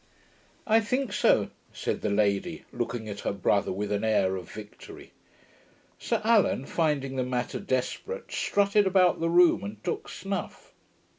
'I think so,' said the lady, looking at her brother with an air of victory. Sir Allan, finding the matter desperate, strutted about the room, and took snuff.